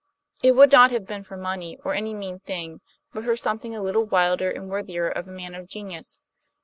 It would not have been for money or any mean thing, but for something a little wilder and worthier of a man of genius.